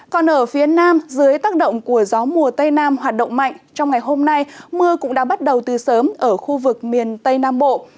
còn ở phía nam dưới tác động của gió mùa tây nam hoạt động mạnh trong ngày hôm nay mưa cũng đã bắt đầu từ sớm ở khu vực miền tây nam bộ